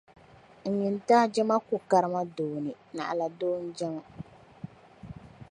N nyintaa je ma ku kari ma doo ni naɣila doo n-je ma.